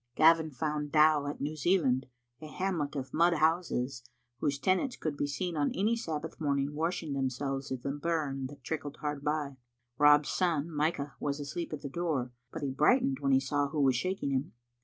Gavin found Dow at New Zealand, a hamlet of mud houses, whose tenants could be seen on any Sabbath morning washing themselves in the bum that trickled hard by. Rob's son, Micah, was asleep at the door, but he brightened when he saw who was shaking him.